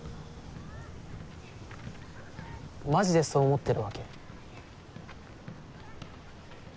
マジでそう思ってるわけ？